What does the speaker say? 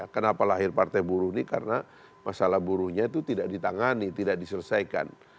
kenapa lahir partai buruh ini karena masalah buruhnya itu tidak ditangani tidak diselesaikan